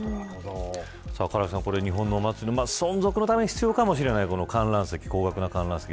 唐木さん、日本のお祭りの存続のために必要かもしれない観覧席。